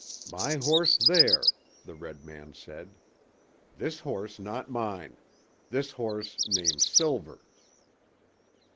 "My horse there," the red man said. "This horse not mine. This horse name 'Silver.'"